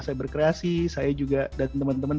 saya berkreasi saya juga dan teman teman